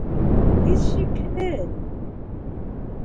Һис шикһеҙ...